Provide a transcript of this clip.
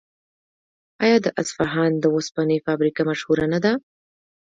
آیا د اصفهان د وسپنې فابریکه مشهوره نه ده؟